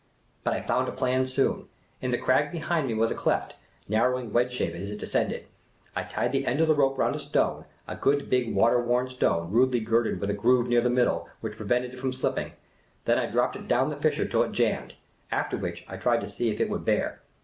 But I found a plan soon. In the crag behind me was a cleft, narrowing wedge shape as it descended. I tied the end of the rope round a stone, a good big water w^orn stone, rudely girdled with a groove near the middle, which prevented it from slipping ; then I dropped it down the fissure till it jannned ; after which, I tried it to see if it would bear.